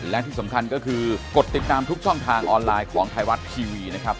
และที่สำคัญก็คือกดติดตามทุกช่องทางออนไลน์ของไทยรัฐทีวีนะครับ